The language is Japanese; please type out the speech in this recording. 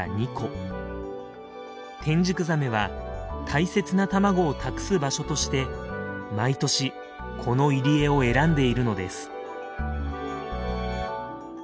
テンジクザメは大切な卵を託す場所として毎年この入り江を選んでいるのです。